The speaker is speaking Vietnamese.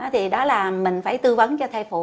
thì đó là mình phải tư vấn cho thai phụ